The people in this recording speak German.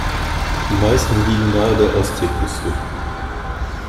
Die meisten liegen nahe der Ostseeküste.